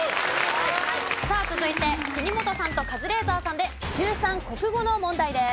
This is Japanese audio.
さあ続いて国本さんとカズレーザーさんで中３国語の問題です。